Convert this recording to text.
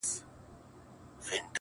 عاقل نه سوې چي مي څومره خوارۍ وکړې,